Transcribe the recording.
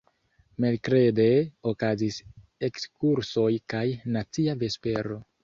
Merkrede okazis ekskursoj kaj nacia vespero.